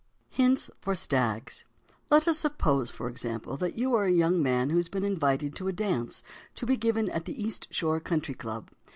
'" HINTS FOR STAGS Let us suppose, for example, that you are a young man who has been invited to a dance to be given at the East Shore Country Club.